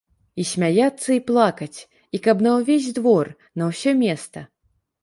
І смяяцца і плакаць, і каб на ўвесь двор, на ўсё места.